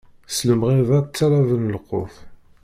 S lemɣiḍa ṭṭalaben lqut.